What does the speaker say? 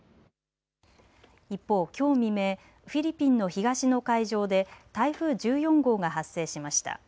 一方、きょう未明、フィリピンの東の海上で台風１４号が発生しました。